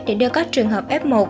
để đưa các trường hợp f một